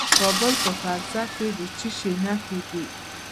د کابل په فرزه کې د څه شي نښې دي؟